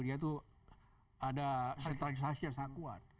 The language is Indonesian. dia itu ada strategisasi yang sangat kuat